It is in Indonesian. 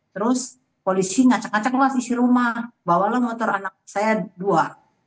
terus polisi ngacak ngacak lah isi rumah bawalah motor anak saya dua